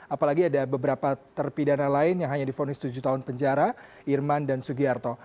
apalagi ada beberapa terpidana lain yang hanya difonis tujuh tahun penjara irman dan sugiarto